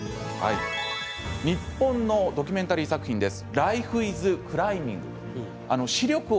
２本のドキュメンタリー作品です。